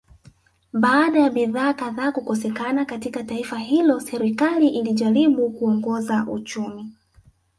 Baada ya bidhaa kadhaa kukosekana katika taifa hilo serikali ilijaribu kuongoza uchumi